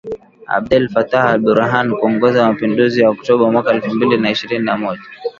Abdel Fattah al-Burhan kuongoza mapinduzi ya Oktoba mwaka elfu mbili na ishirini na moja